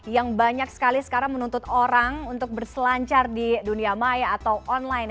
yang banyak sekali sekarang menuntut orang untuk berselancar di dunia maya atau online